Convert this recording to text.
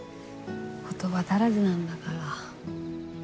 言葉足らずなんだから。